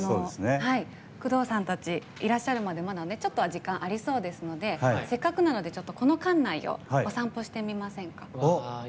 宮藤さんたち、いらっしゃるまでまだ、ちょっとは時間ありそうですのでせっかくなので、この館内をお散歩してみませんか。